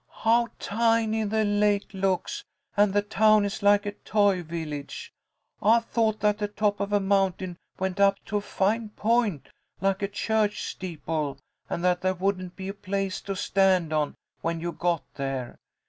"How tiny the lake looks, and the town is like a toy village! I thought that the top of a mountain went up to a fine point like a church steeple, and that there wouldn't be a place to stand on when you got there.